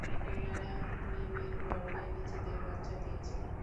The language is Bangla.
উনারা মিমি -র গর্ভে নিজেদের বাচ্চা দিয়েছিলো।